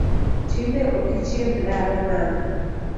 Tinde ok ichiem dala nang'o